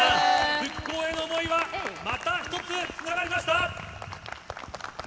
復興への想いは、また一つつながりました。